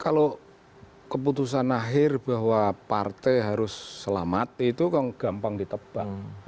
kalau keputusan akhir bahwa partai harus selamat itu kan gampang ditebak